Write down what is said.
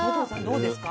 どうですか？